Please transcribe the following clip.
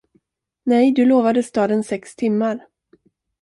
Nej, du lovade staden sex timmar.